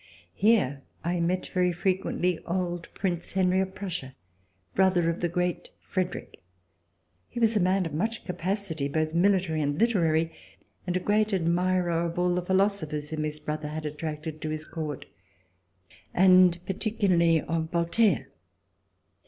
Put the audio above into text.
Here I met very frequently old Prince Henry of Prussia, brother of the Great Frederick. He was a man of much capacity, both military and literary, and a great admirer of all the philosophers whoni his brother had attracted to his court, and particularly of Voltaire.